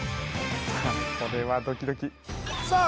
これはドキドキさあ